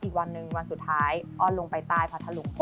อีกวันหนึ่งวันสุดท้ายอ้อนลงไปใต้พัทธลุง